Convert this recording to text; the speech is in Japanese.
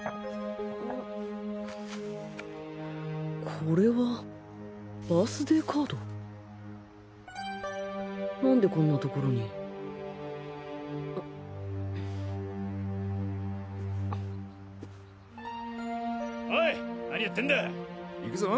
これはバースデーカード何でこんな所におい何やってんだ行くぞ！